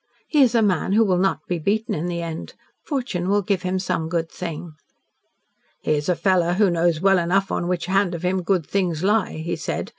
He is a man who will not be beaten in the end. Fortune will give him some good thing." "He is a fellow who knows well enough on which hand of him good things lie," he said.